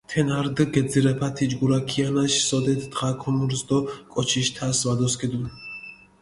თენა რდჷ გეძირაფა თიჯგურა ქიანაშ, სოდეთ დღა ქუმურს დო კოჩიშ თასი ვადოსქიდუნ.